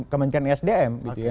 kementerian isdm gitu ya